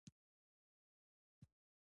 ګاز د افغان ماشومانو د لوبو موضوع ده.